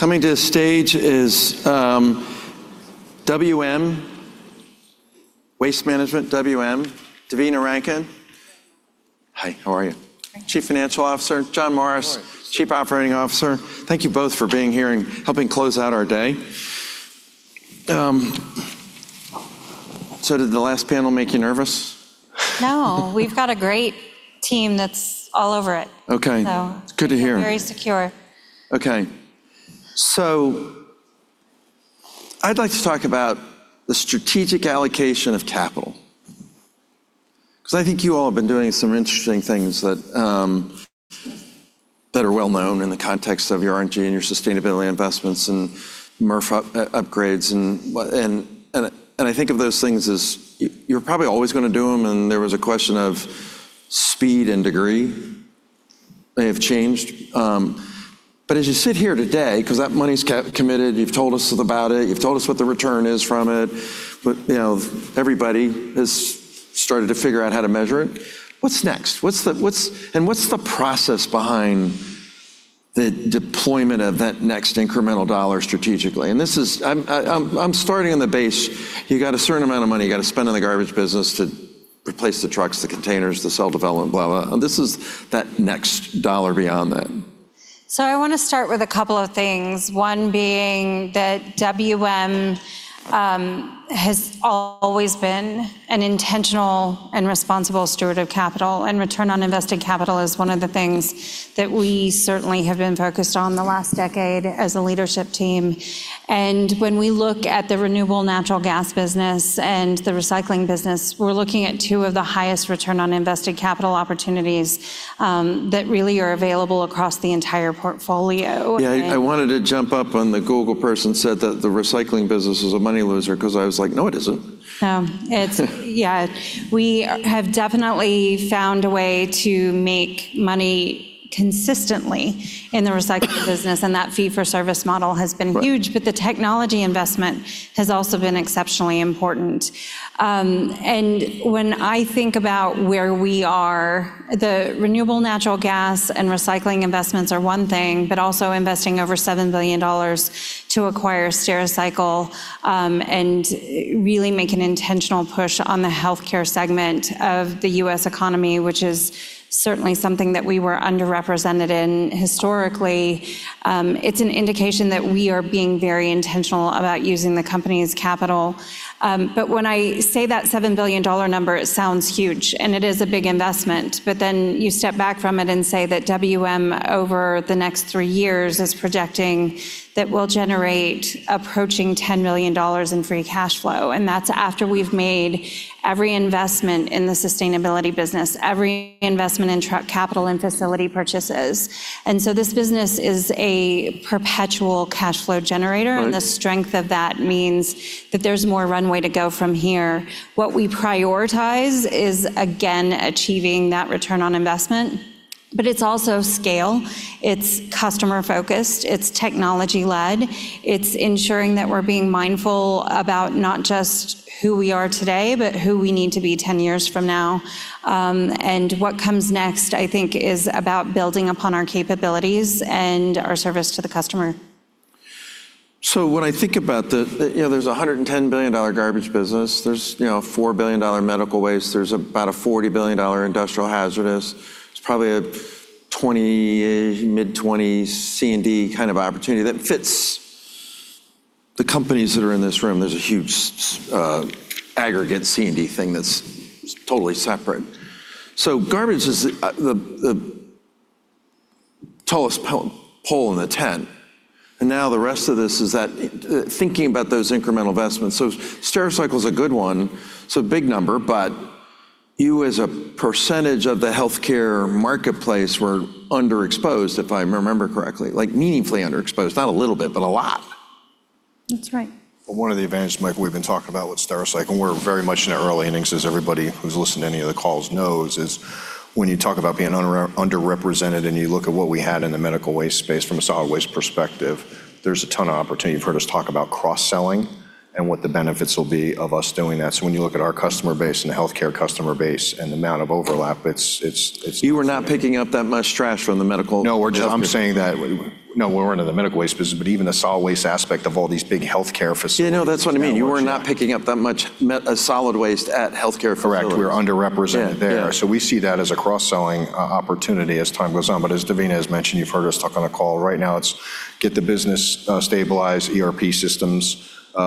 Coming to the stage is WM, Waste Management, WM, Devina Rankin. Hi, how are you? Chief Financial Officer, John Morris, Chief Operating Officer. Thank you both for being here and helping close out our day, so did the last panel make you nervous? No, we've got a great team that's all over it. Okay, it's good to hear. Very secure. Okay, so I'd like to talk about the strategic allocation of capital. Because I think you all have been doing some interesting things that are well known in the context of your RNG and your sustainability investments and MRF upgrades. And I think of those things as you're probably always going to do them. And there was a question of speed and degree. They have changed. But as you sit here today, because that money's committed, you've told us about it. You've told us what the return is from it, but everybody has started to figure out how to measure it. What's next? And what's the process behind the deployment of that next incremental dollar strategically? And this is, I'm starting on the base. You've got a certain amount of money you've got to spend on the garbage business to replace the trucks, the containers, the cell development, blah, blah. This is that next dollar beyond that. I want to start with a couple of things. One being that WM has always been an intentional and responsible steward of capital. Return on invested capital is one of the things that we certainly have been focused on the last decade as a leadership team. When we look at the renewable natural gas business and the recycling business, we're looking at two of the highest return on invested capital opportunities that really are available across the entire portfolio. Yeah, I wanted to jump up when the Google person said that the recycling business is a money loser because I was like, no, it isn't. No, it's yeah, we have definitely found a way to make money consistently in the recycling business, and that fee for service model has been huge, but the technology investment has also been exceptionally important, and when I think about where we are, the renewable natural gas and recycling investments are one thing, but also investing over $7 billion to acquire Stericycle and really make an intentional push on the health care segment of the U.S. economy, which is certainly something that we were underrepresented in historically. It's an indication that we are being very intentional about using the company's capital, but when I say that $7 billion number, it sounds huge, and it is a big investment, but then you step back from it and say that WM over the next three years is projecting that we'll generate approaching $10 million in free cash flow. And that's after we've made every investment in the sustainability business, every investment in truck capital and facility purchases. And so this business is a perpetual cash flow generator. And the strength of that means that there's more runway to go from here. What we prioritize is, again, achieving that return on investment. But it's also scale. It's customer focused. It's technology led. It's ensuring that we're being mindful about not just who we are today, but who we need to be 10 years from now. And what comes next, I think, is about building upon our capabilities and our service to the customer. So when I think about, there's a $110 billion garbage business. There's $4 billion medical waste. There's about a $40 billion industrial hazardous. There's probably a 20, mid-20 C&D kind of opportunity that fits the companies that are in this room. There's a huge aggregate C&D thing that's totally separate. So garbage is the tallest pole in the tent. And now the rest of this is that thinking about those incremental investments. So Stericycle is a good one. It's a big number. But you, as a percentage of the health care marketplace, were underexposed, if I remember correctly. Like meaningfully underexposed. Not a little bit, but a lot. That's right. One of the advantages, Michael, we've been talking about with Stericycle, and we're very much in the early innings, as everybody who's listening to any of the calls knows, is when you talk about being underrepresented and you look at what we had in the medical waste space from a solid waste perspective, there's a ton of opportunity. You've heard us talk about cross-selling and what the benefits will be of us doing that. So when you look at our customer base and the health care customer base and the amount of overlap, it's. You were not picking up that much trash from the medical. No, I'm saying that no, we weren't in the medical waste business, but even the solid waste aspect of all these big health care facilities. Yeah, no, that's what I mean. You were not picking up that much solid waste at health care facilities. Correct, we were underrepresented there. So we see that as a cross-selling opportunity as time goes on. But as Devina has mentioned, you've heard us talk on the call. Right now, it's get the business stabilized, ERP systems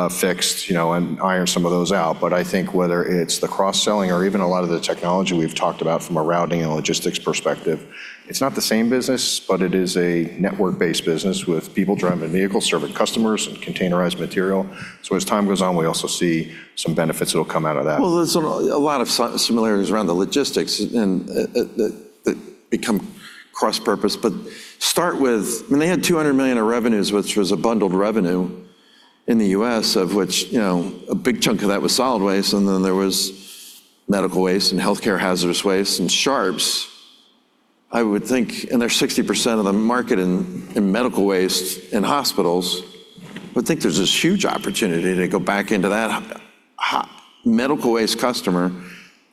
fixed, and iron some of those out. But I think whether it's the cross-selling or even a lot of the technology we've talked about from a routing and logistics perspective, it's not the same business, but it is a network-based business with people driving vehicles serving customers and containerized material. So as time goes on, we also see some benefits that will come out of that. There's a lot of similarities around the logistics and that become cross-purpose. But start with, I mean, they had $200 million of revenues, which was a bundled revenue in the U.S., of which a big chunk of that was solid waste. And then there was medical waste and health care hazardous waste and sharps. I would think, and there's 60% of the market in medical waste in hospitals. I would think there's this huge opportunity to go back into that medical waste customer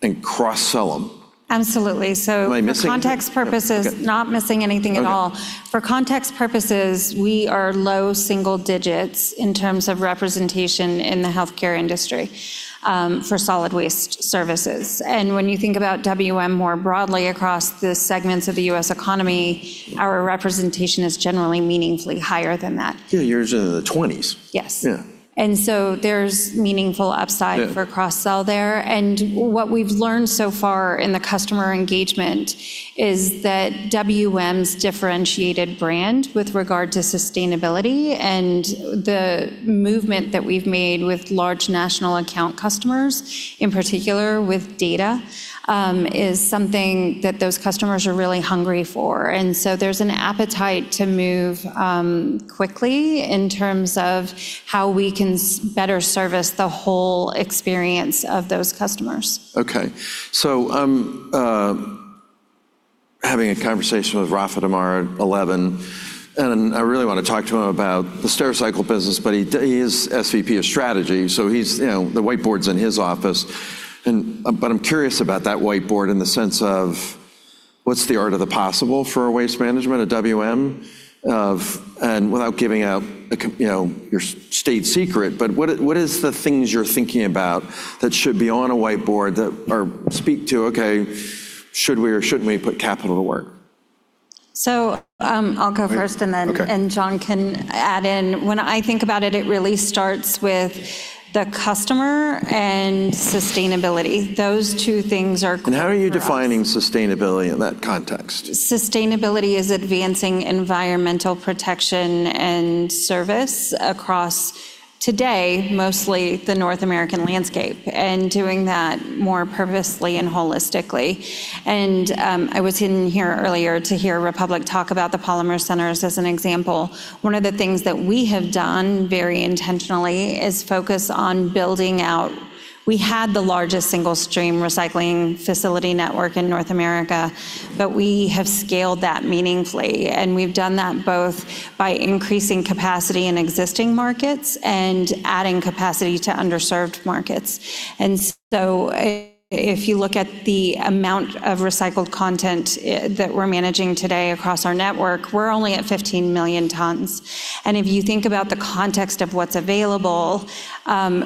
and cross-sell them. Absolutely. So for context purposes, not missing anything at all. For context purposes, we are low single digits in terms of representation in the health care industry for solid waste services. And when you think about WM more broadly across the segments of the U.S. economy, our representation is generally meaningfully higher than that. Yeah, you're in the 20s. Yes, and so there's meaningful upside for cross-sell there, and what we've learned so far in the customer engagement is that WM's differentiated brand with regard to sustainability and the movement that we've made with large national account customers, in particular with data, is something that those customers are really hungry for, and so there's an appetite to move quickly in terms of how we can better service the whole experience of those customers. Okay, so having a conversation with Rafa tomorrow at 11:00 A.M., and I really want to talk to him about the Stericycle business, but he is SVP of strategy. So the whiteboard's in his office. But I'm curious about that whiteboard in the sense of what's the art of the possible for waste management at WM? And without giving out your state secret, but what is the things you're thinking about that should be on a whiteboard that speak to, okay, should we or shouldn't we put capital to work? So I'll go first and then John can add in. When I think about it, it really starts with the customer and sustainability. Those two things are. How are you defining sustainability in that context? Sustainability is advancing environmental protection and service across today, mostly the North American landscape, and doing that more purposely and holistically, and I was in here earlier to hear Republic talk about the Polymer Centers as an example. One of the things that we have done very intentionally is focus on building out we had the largest single stream recycling facility network in North America, but we have scaled that meaningfully, and we've done that both by increasing capacity in existing markets and adding capacity to underserved markets, and so if you look at the amount of recycled content that we're managing today across our network, we're only at 15 million tons, and if you think about the context of what's available,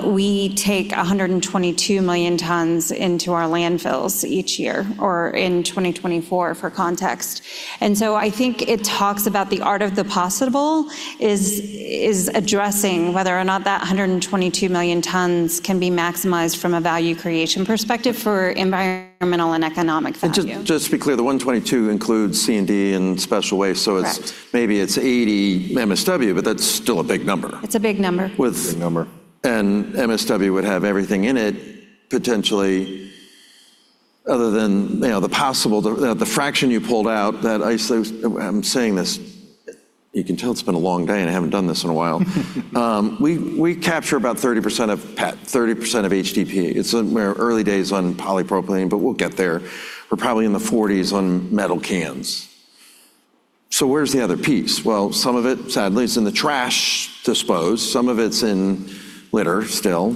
we take 122 million tons into our landfills each year, or in 2024 for context. And so I think it talks about the art of the possible is addressing whether or not that 122 million tons can be maximized from a value creation perspective for environmental and economic value. Just to be clear, the 122 includes C&D and special waste. Maybe it's 80 MSW, but that's still a big number. It's a big number. With big number. MSW would have everything in it potentially, other than the possible fraction you pulled out. I'm saying this, you can tell it's been a long day and I haven't done this in a while. We capture about 30% of PET, 30% of HDPE. It's in our early days on polypropylene, but we'll get there. We're probably in the 40s on metal cans. So where's the other piece? Well, some of it, sadly, is in the trash disposed. Some of it's in litter still,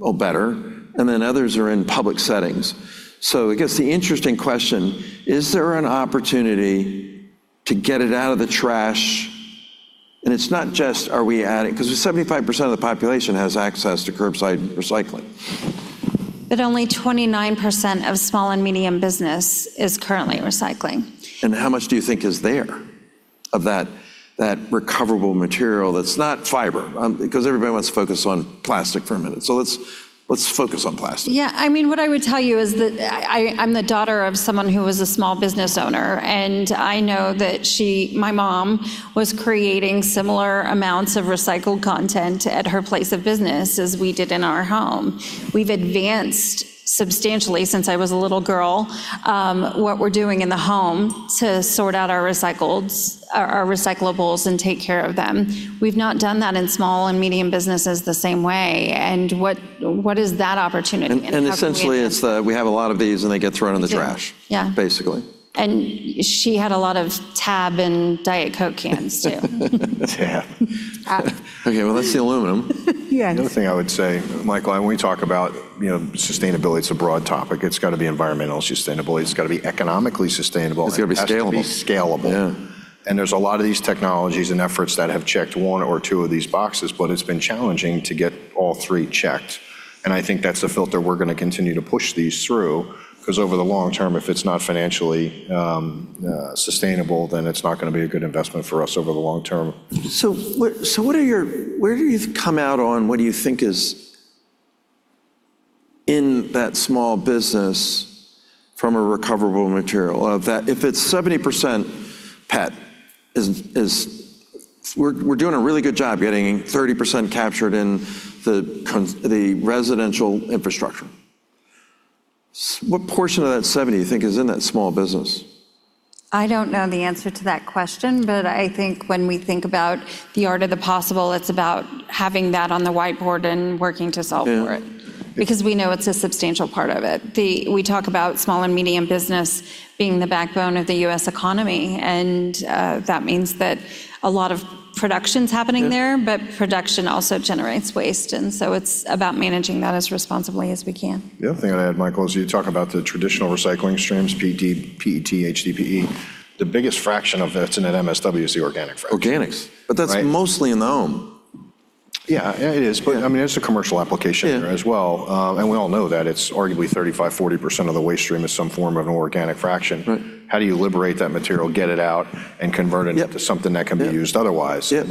or better. Then others are in public settings. So I guess the interesting question is there an opportunity to get it out of the trash? It's not just are we adding because 75% of the population has access to curbside recycling. But only 29% of small and medium business is currently recycling. And how much do you think is there of that recoverable material that's not fiber? Because everybody wants to focus on plastic for a minute. So let's focus on plastic. Yeah, I mean, what I would tell you is that I'm the daughter of someone who was a small business owner. And I know that she, my mom, was creating similar amounts of recycled content at her place of business as we did in our home. We've advanced substantially since I was a little girl what we're doing in the home to sort out our recyclables and take care of them. We've not done that in small and medium businesses the same way. And what is that opportunity? Essentially, it's that we have a lot of these and they get thrown in the trash, basically. She had a lot of TAB and Diet Coke cans too. Okay, well, that's the aluminum. The other thing I would say, Michael, when we talk about sustainability, it's a broad topic. It's got to be environmentally sustainable. It's got to be economically sustainable. It's got to be scalable. It has to be scalable. Yeah. There's a lot of these technologies and efforts that have checked one or two of these boxes, but it's been challenging to get all three checked. I think that's the filter we're going to continue to push these through. Because over the long term, if it's not financially sustainable, then it's not going to be a good investment for us over the long term. Where do you come out on what do you think is in that small business from a recoverable material? If it's 70% PET, we're doing a really good job getting 30% captured in the residential infrastructure. What portion of that 70% do you think is in that small business? I don't know the answer to that question, but I think when we think about the art of the possible, it's about having that on the whiteboard and working to solve for it. Because we know it's a substantial part of it. We talk about small and medium business being the backbone of the U.S. economy. And that means that a lot of production's happening there, but production also generates waste. And so it's about managing that as responsibly as we can. The other thing I'd add, Michael, is you talk about the traditional recycling streams, PET, HDPE. The biggest fraction of that's in MSW is the organic fraction. Organics, but that's mostly in the home. Yeah, it is. But I mean, there's a commercial application there as well. And we all know that it's arguably 35%, 40% of the waste stream is some form of an organic fraction. How do you liberate that material, get it out, and convert it into something that can be used otherwise? We had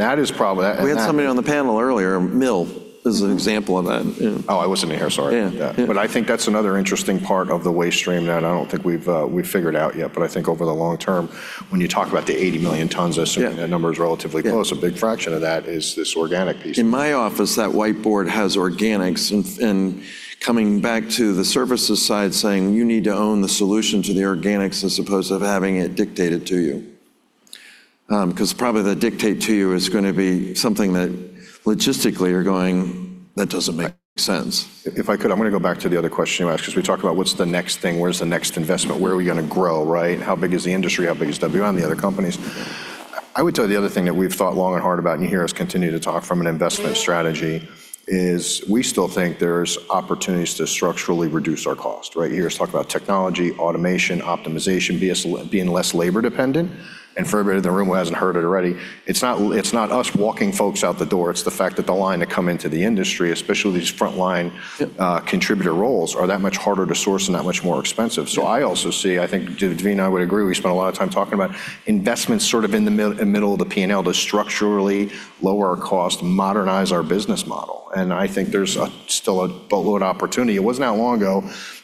somebody on the panel earlier, Mill, as an example of that. Oh, I wasn't in here, sorry. But I think that's another interesting part of the waste stream that I don't think we've figured out yet. But I think over the long term, when you talk about the 80 million tons, I assume that number is relatively close. A big fraction of that is this organic piece. In my office, that whiteboard has organics, and coming back to the services side, saying you need to own the solution to the organics as opposed to having it dictated to you. Because probably the dictate to you is going to be something that logistically you're going, that doesn't make sense. If I could, I'm going to go back to the other question you asked. Because we talked about what's the next thing, where's the next investment, where are we going to grow, right? How big is the industry? How big is WM, the other companies? I would tell you the other thing that we've thought long and hard about, and you hear us continue to talk from an investment strategy, is we still think there's opportunities to structurally reduce our cost, right? You hear us talk about technology, automation, optimization, being less labor dependent. And for everybody in the room who hasn't heard it already, it's not us walking folks out the door. It's the fact that the line to come into the industry, especially these frontline contributor roles, are that much harder to source and that much more expensive. So I also see, I think Devina would agree, we spent a lot of time talking about investments sort of in the middle of the P&L to structurally lower our cost, modernize our business model. And I think there's still a boatload of opportunity. It wasn't that long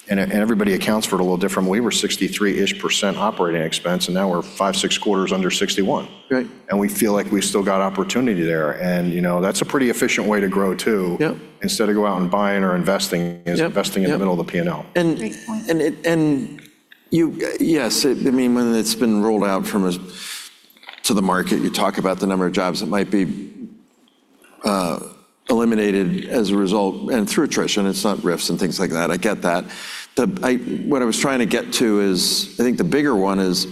ago, and everybody accounts for it a little different. We were 63-ish% operating expense, and now we're five, six quarters under 61%. And we feel like we've still got opportunity there. And that's a pretty efficient way to grow too, instead of go out and buying or investing in the middle of the P&L. And yes, I mean, when it's been rolled out to the market, you talk about the number of jobs that might be eliminated as a result and through attrition. It's not RIFs and things like that. I get that. What I was trying to get to is, I think the bigger one is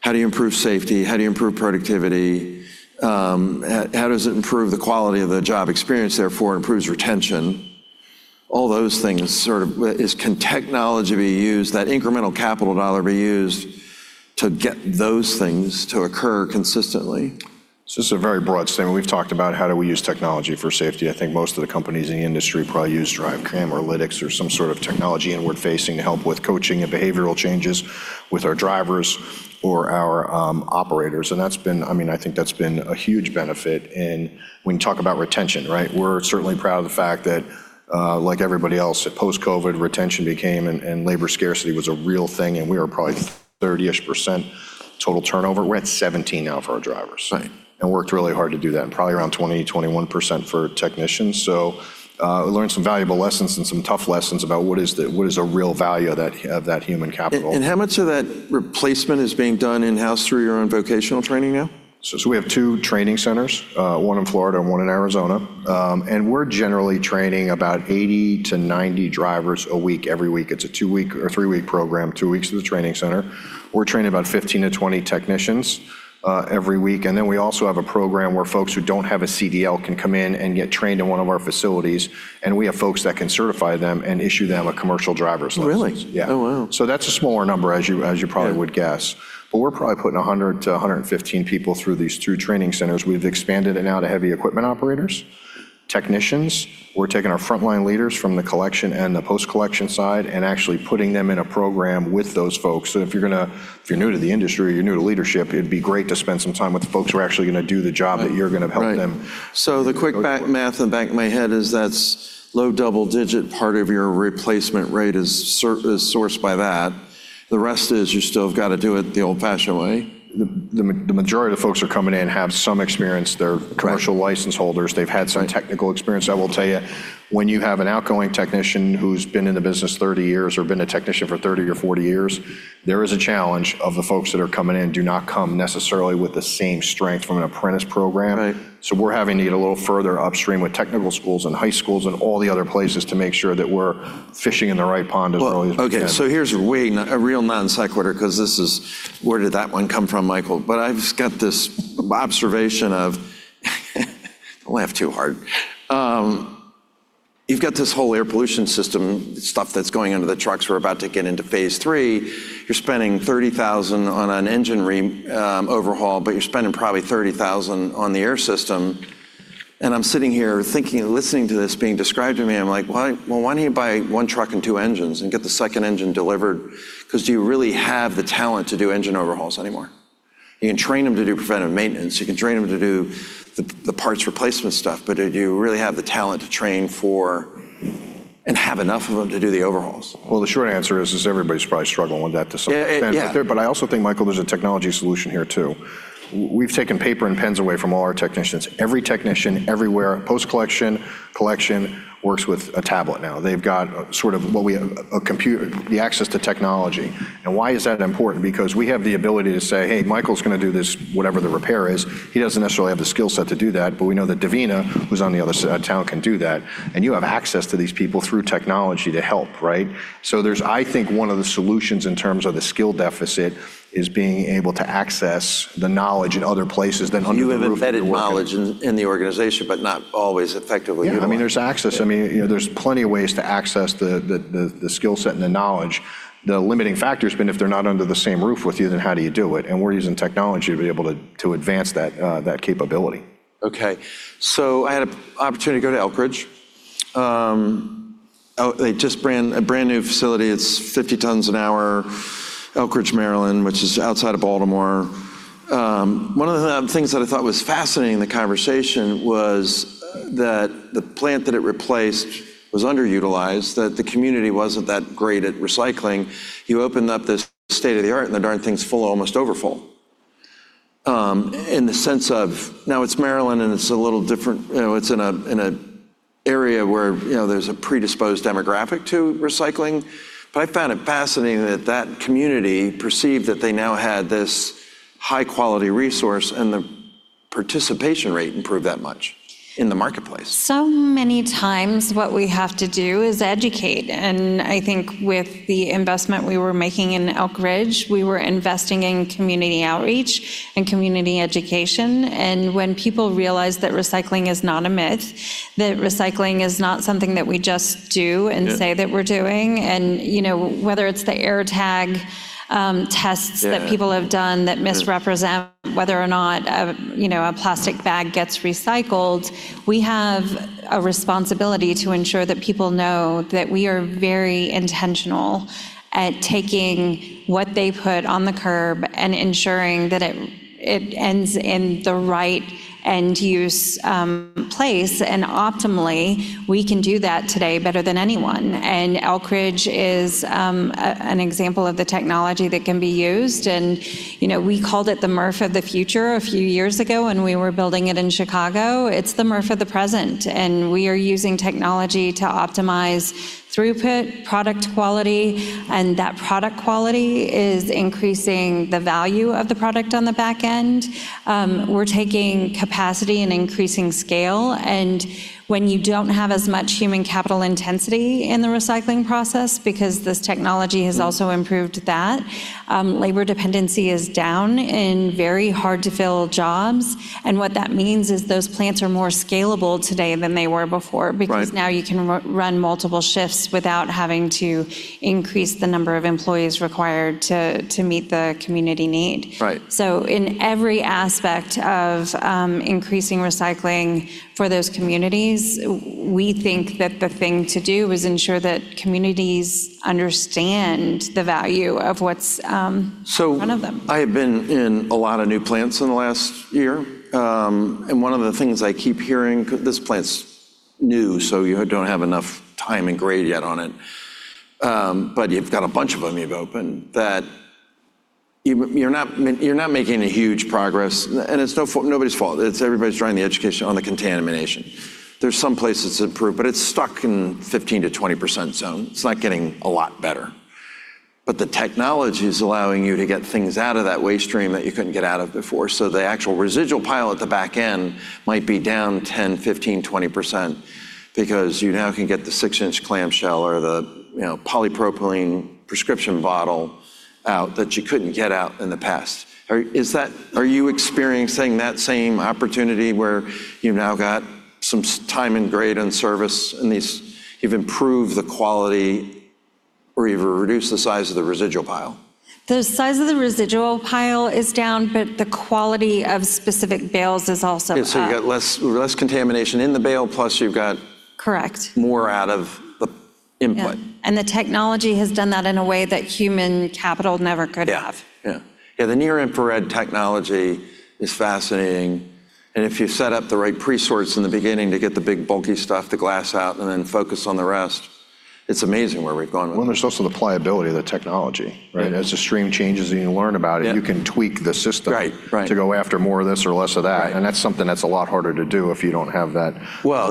how do you improve safety? How do you improve productivity? How does it improve the quality of the job experience? Therefore, it improves retention. All those things sort of can technology be used? That incremental capital dollar be used to get those things to occur consistently? It's just a very broad statement. We've talked about how do we use technology for safety. I think most of the companies in the industry probably use DriveCam or Lytx or some sort of technology inward-facing to help with coaching and behavioral changes with our drivers or our operators, and I mean, I think that's been a huge benefit, and when you talk about retention, right, we're certainly proud of the fact that, like everybody else, post-COVID, retention became and labor scarcity was a real thing, and we were probably 30-ish% total turnover. We're at 17% now for our drivers and worked really hard to do that, and probably around 20%-21% for technicians, so we learned some valuable lessons and some tough lessons about what is the real value of that human capital. How much of that replacement is being done in-house through your own vocational training now? We have two training centers, one in Florida and one in Arizona. And we're generally training about 80 to 90 drivers a week, every week. It's a two-week or three-week program, two weeks at the training center. We're training about 15 to 20 technicians every week. And we also have a program where folks who don't have a CDL can come in and get trained in one of our facilities. And we have folks that can certify them and issue them a commercial driver's license. Really? Yeah. Oh, wow. So that's a smaller number, as you probably would guess. But we're probably putting 100-115 people through these two training centers. We've expanded it now to heavy equipment operators, technicians. We're taking our frontline leaders from the collection and the post-collection side and actually putting them in a program with those folks. So if you're new to the industry, you're new to leadership, it'd be great to spend some time with the folks who are actually going to do the job that you're going to help them. So, the quick math in the back of my head is that's low double-digit part of your replacement rate is sourced by that. The rest is you still have got to do it the old-fashioned way. The majority of the folks who are coming in have some experience. They're commercial license holders. They've had some technical experience. I will tell you, when you have an outgoing technician who's been in the business 30 years or been a technician for 30 or 40 years, there is a challenge of the folks that are coming in do not come necessarily with the same strength from an apprentice program. So we're having to get a little further upstream with technical schools and high schools and all the other places to make sure that we're fishing in the right pond as well. Okay, so here's a real non-sequitur because this is where did that one come from, Michael? But I've got this observation of don't laugh too hard. You've got this whole air pollution system, stuff that's going into the trucks. We're about to get into phase three. You're spending $30,000 on an engine overhaul, but you're spending probably $30,000 on the air system. And I'm sitting here listening to this being described to me. I'm like, well, why don't you buy one truck and two engines and get the second engine delivered? Because do you really have the talent to do engine overhauls anymore? You can train them to do preventive maintenance. You can train them to do the parts replacement stuff. But do you really have the talent to train for and have enough of them to do the overhauls? The short answer is just everybody's probably struggling with that to some extent, but I also think, Michael, there's a technology solution here too. We've taken paper and pens away from all our technicians. Every technician everywhere, post-collection, collection, works with a tablet now. They've got sort of the access to technology. Why is that important? Because we have the ability to say, hey, Michael's going to do this, whatever the repair is. He doesn't necessarily have the skill set to do that. We know that Devina, who's on the other side of town, can do that. You have access to these people through technology to help, right? There's, I think, one of the solutions in terms of the skill deficit is being able to access the knowledge in other places than under the roof. You have embedded knowledge in the organization, but not always effectively. Yeah, I mean, there's access. I mean, there's plenty of ways to access the skill set and the knowledge. The limiting factor has been if they're not under the same roof with you, then how do you do it, and we're using technology to be able to advance that capability. Okay, so I had an opportunity to go to Elkridge. They just ran a brand new facility. It's 50 tons an hour, Elkridge, Maryland, which is outside of Baltimore. One of the things that I thought was fascinating in the conversation was that the plant that it replaced was underutilized, that the community wasn't that great at recycling. You opened up this state-of-the-art and the darn thing's full, almost overfull. In the sense of now it's Maryland and it's a little different, it's in an area where there's a predisposed demographic to recycling. But I found it fascinating that that community perceived that they now had this high-quality resource and the participation rate improved that much in the marketplace. So many times what we have to do is educate. And I think with the investment we were making in Elkridge, we were investing in community outreach and community education. And when people realize that recycling is not a myth, that recycling is not something that we just do and say that we're doing. And whether it's the AirTag tests that people have done that misrepresent whether or not a plastic bag gets recycled, we have a responsibility to ensure that people know that we are very intentional at taking what they put on the curb and ensuring that it ends in the right end-use place. And optimally, we can do that today better than anyone. And Elkridge is an example of the technology that can be used. And we called it the MRF of the future a few years ago when we were building it in Chicago. It's the MRF of the present. And we are using technology to optimize throughput, product quality. And that product quality is increasing the value of the product on the back end. We're taking capacity and increasing scale. And when you don't have as much human capital intensity in the recycling process, because this technology has also improved that, labor dependency is down in very hard-to-fill jobs. And what that means is those plants are more scalable today than they were before. Because now you can run multiple shifts without having to increase the number of employees required to meet the community need. So in every aspect of increasing recycling for those communities, we think that the thing to do is ensure that communities understand the value of what's in front of them. I have been in a lot of new plants in the last year. And one of the things I keep hearing, this plant's new, so you don't have enough time and grade yet on it. But you've got a bunch of them you've opened that you're not making any huge progress. And it's nobody's fault. It's everybody's trying the education on the contamination. There's some places to improve, but it's stuck in 15%-20% zone. It's not getting a lot better. But the technology is allowing you to get things out of that waste stream that you couldn't get out of before. So the actual residual pile at the back end might be down 10%, 15%, 20% because you now can get the six-inch clamshell or the polypropylene prescription bottle out that you couldn't get out in the past. Are you experiencing that same opportunity where you've now got some time and grade and service and you've improved the quality or you've reduced the size of the residual pile? The size of the residual pile is down, but the quality of specific bales is also higher. So you've got less contamination in the bale, plus you've got more out of the input. The technology has done that in a way that human capital never could have. Yeah, yeah. Yeah, the near-infrared technology is fascinating, and if you set up the right pre-sorts in the beginning to get the big bulky stuff, the glass out, and then focus on the rest, it's amazing where we've gone with it. There's also the pliability of the technology, right? As the stream changes, you learn about it. You can tweak the system to go after more of this or less of that. And that's something that's a lot harder to do if you don't have that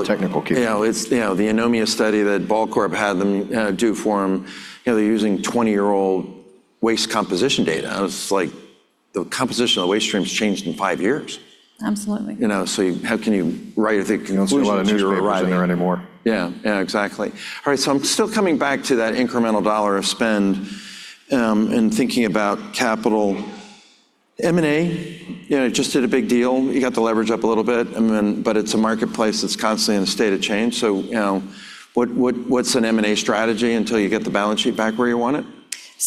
technical capability. Yeah, the Eunomia study that Ball Corp had them do for them, they're using 20-year-old waste composition data. It's like the composition of the waste stream has changed in five years. Absolutely. So how can you write? There's not a lot of newsworthy writing there anymore. Yeah, yeah, exactly. All right, so I'm still coming back to that incremental dollar of spend and thinking about capital. M&A just did a big deal. You got to leverage up a little bit. But it's a marketplace that's constantly in a state of change. So what's an M&A strategy until you get the balance sheet back where you want it?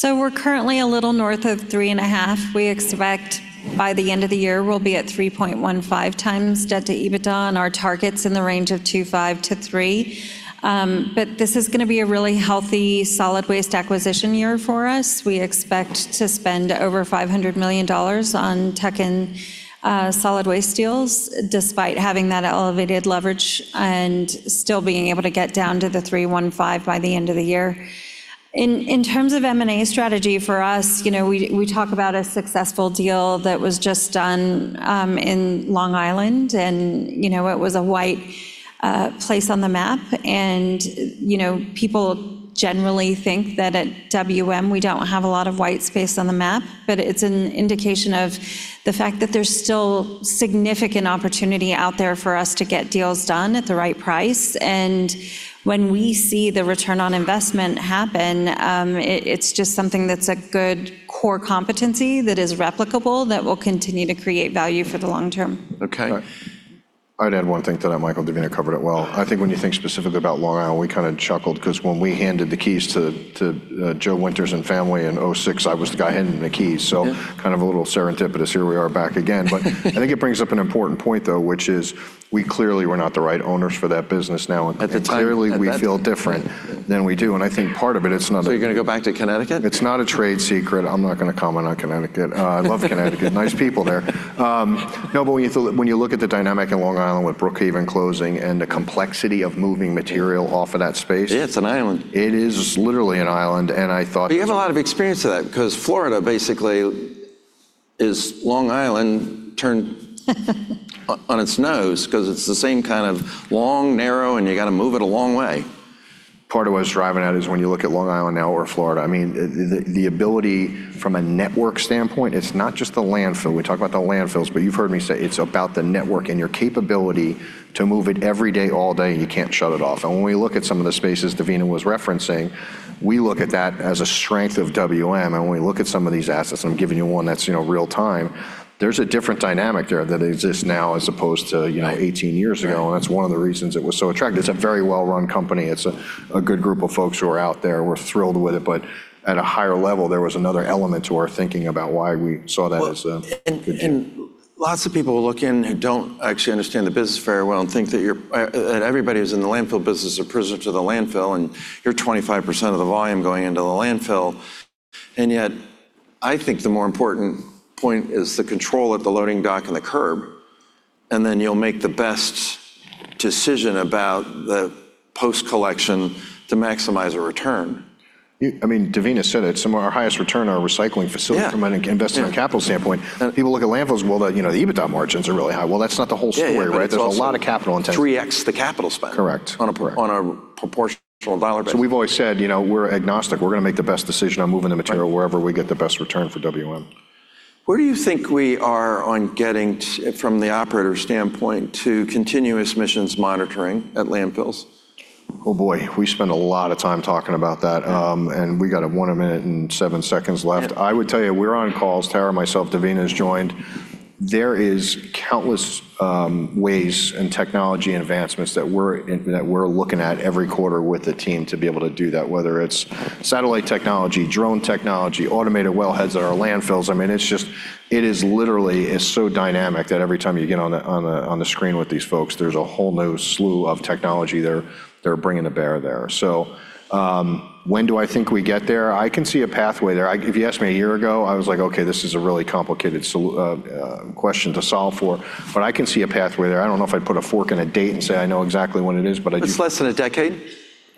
We're currently a little north of three and a half. We expect by the end of the year, we'll be at 3.15 times debt to EBITDA. Our target's in the range of 2.5-3. This is going to be a really healthy, solid waste acquisition year for us. We expect to spend over $500 million on tech and solid waste deals despite having that elevated leverage and still being able to get down to the 3.15 by the end of the year. In terms of M&A strategy for us, we talk about a successful deal that was just done in Long Island. It was a white place on the map. People generally think that at WM, we don't have a lot of white space on the map. But it's an indication of the fact that there's still significant opportunity out there for us to get deals done at the right price. And when we see the return on investment happen, it's just something that's a good core competency that is replicable that will continue to create value for the long term. Okay. I'd add one thing to that, Michael. Devina covered it well. I think when you think specifically about Long Island, we kind of chuckled because when we handed the keys to Joe Winters and family in 2006, I was the guy handing the keys. So kind of a little serendipitous, here we are back again. But I think it brings up an important point, though, which is we clearly were not the right owners for that business now. At the time. Clearly, we feel different than we do. And I think part of it, it's not a. So you're going to go back to Connecticut? It's not a trade secret. I'm not going to comment on Connecticut. I love Connecticut. Nice people there. No, but when you look at the dynamic in Long Island with Brookhaven closing and the complexity of moving material off of that space. Yeah, it's an island. It is literally an island, and I thought. But you have a lot of experience of that because Florida basically is Long Island turned on its nose because it's the same kind of long, narrow, and you got to move it a long way. Part of what I was driving at is when you look at Long Island now or Florida. I mean, the ability from a network standpoint, it's not just the landfill. We talk about the landfills, but you've heard me say it's about the network and your capability to move it every day, all day, and you can't shut it off, and when we look at some of the spaces Devina was referencing, we look at that as a strength of WM. When we look at some of these assets, and I'm giving you one that's real-time, there's a different dynamic there that exists now as opposed to 18 years ago, and that's one of the reasons it was so attractive. It's a very well-run company. It's a good group of folks who are out there. We're thrilled with it. But at a higher level, there was another element to our thinking about why we saw that as a good thing. And lots of people look in who don't actually understand the business very well and think that everybody who's in the landfill business is a prisoner to the landfill. And you're 25% of the volume going into the landfill. And yet, I think the more important point is the control at the loading dock and the curb. And then you'll make the best decision about the post-collection to maximize a return. I mean, Devina said it. Our highest return on our recycling facility from an investment capital standpoint. People look at landfills, well, the EBITDA margins are really high. Well, that's not the whole story, right? There's a lot of capital intensity. It 3x the capital spend on a proportional dollar basis. So we've always said we're agnostic. We're going to make the best decision on moving the material wherever we get the best return for WM. Where do you think we are on getting from the operator standpoint to continuous emissions monitoring at landfills? Oh, boy. We spend a lot of time talking about that, and we got one minute and seven seconds left. I would tell you, we're on calls. Tara, myself, Devina has joined. There are countless ways and technology advancements that we're looking at every quarter with the team to be able to do that, whether it's satellite technology, drone technology, automated wellheads at our landfills. I mean, it's just, it is literally, it's so dynamic that every time you get on the screen with these folks, there's a whole new slew of technology they're bringing to bear there, so when do I think we get there? I can see a pathway there. If you asked me a year ago, I was like, okay, this is a really complicated question to solve for, but I can see a pathway there. I don't know if I'd put a fork in a date and say I know exactly when it is, but I do. It's less than a decade?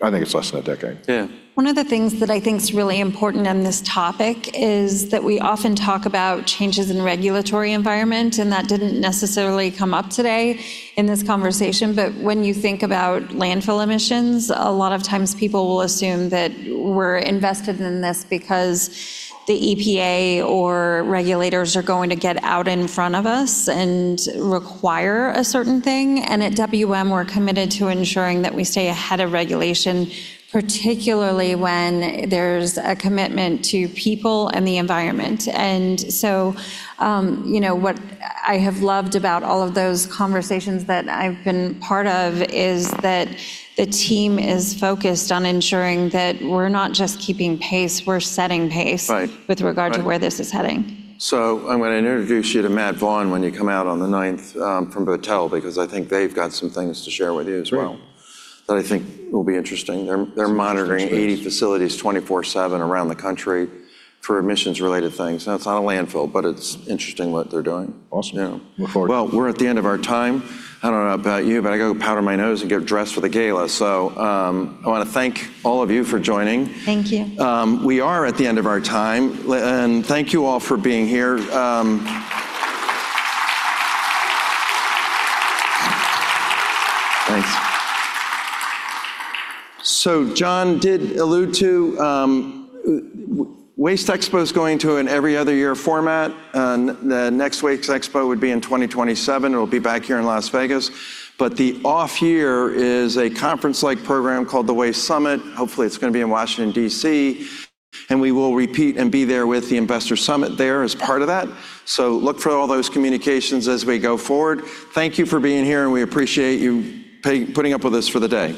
I think it's less than a decade. Yeah. One of the things that I think is really important on this topic is that we often talk about changes in regulatory environment. And that didn't necessarily come up today in this conversation. But when you think about landfill emissions, a lot of times people will assume that we're invested in this because the EPA or regulators are going to get out in front of us and require a certain thing. And at WM, we're committed to ensuring that we stay ahead of regulation, particularly when there's a commitment to people and the environment. And so what I have loved about all of those conversations that I've been part of is that the team is focused on ensuring that we're not just keeping pace, we're setting pace with regard to where this is heading. I'm going to introduce you to Matt Vaughn when you come out on the 9th from Bothell because I think they've got some things to share with you as well that I think will be interesting. They're monitoring 80 facilities 24/7 around the country for emissions-related things. It's not a landfill, but it's interesting what they're doing. Awesome. We're at the end of our time. I don't know about you, but I got to go powder my nose and get dressed for the gala. I want to thank all of you for joining. Thank you. We are at the end of our time. Thank you all for being here. Thanks. John did allude to WasteExpo going to an every-other-year format. The next WasteExpo would be in 2027. It will be back here in Las Vegas. But the off-year is a conference-like program called the Waste Summit. Hopefully, it is going to be in Washington, D.C. And we will repeat and be there with the Investor Summit there as part of that. So look for all those communications as we go forward. Thank you for being here. And we appreciate you putting up with this for the day.